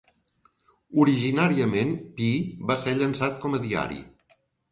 Originàriament, Pi va ser llançat com a diari.